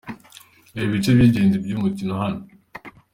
Reba ibice by'ingenzi by'uyu mukino hano:.